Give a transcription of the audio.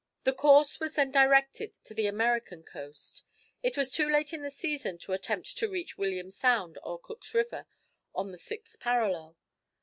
The course was then directed to the American coast. It was too late in the season to attempt to reach William's Sound or Cook's River, on the sixth parallel.